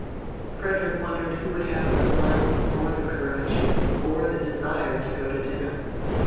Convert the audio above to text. Frederick wondered who would have the phlegm or the courage or the desire to go to dinner.